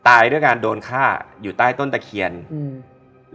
ตายด้วยการโดนฆ่าอยู่ใต้ต้นตะเคียนอืม